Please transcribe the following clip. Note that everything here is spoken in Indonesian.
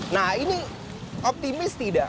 nah ini optimis tidak